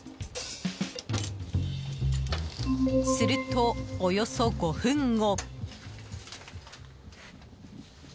すると、およそ５分後。